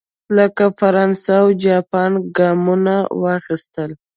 لکه فرانسه او جاپان ګامونه واخیستل.